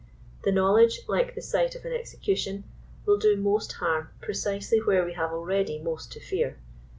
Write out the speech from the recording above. The knowledge, like the sight of an execution, will do most harm precisely where we have already most to fear.